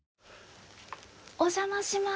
お邪魔します。